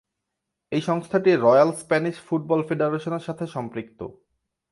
এই সংস্থাটি royal Spanish football ফেডারেশনের সাথে সম্পৃক্ত।